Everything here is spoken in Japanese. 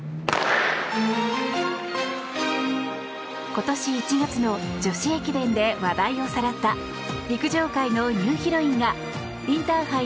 今年１月の女子駅伝で話題をさらった陸上界のニューヒロインがインターハイ